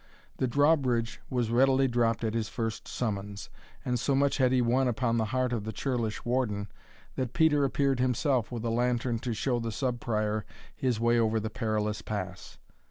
The drawbridge was readily dropped at his first summons; and so much had he won upon the heart of the churlish warden, that Peter appeared himself with a lantern to show the Sub Prior his way over the perilous pass.